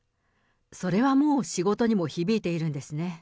それはもう仕事にも響いているんですね。